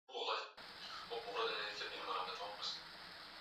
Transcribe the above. Kikohozi kikavu anaporukaruka